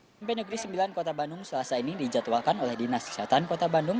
pemimpin negeri sembilan kota bandung selasa ini dijadwalkan oleh dinas kesehatan kota bandung